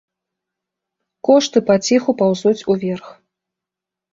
Кошты паціху паўзуць уверх.